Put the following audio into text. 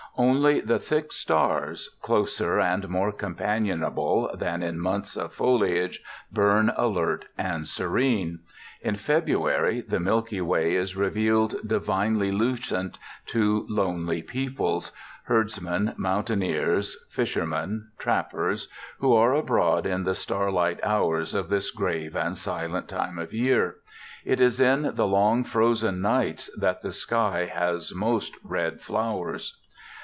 Only the thick stars, closer and more companionable than in months of foliage, burn alert and serene. In February the Milky Way is revealed divinely lucent to lonely peoples herdsmen, mountaineers, fishermen, trappers who are abroad in the starlight hours of this grave and silent time of year. It is in the long, frozen nights that the sky has most red flowers.